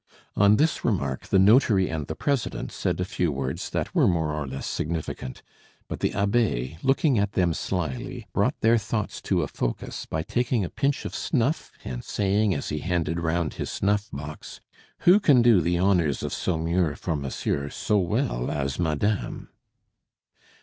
On this remark the notary and the president said a few words that were more or less significant; but the abbe, looking at them slyly, brought their thoughts to a focus by taking a pinch of snuff and saying as he handed round his snuff box: "Who can do the honors of Saumur for monsieur so well as madame?"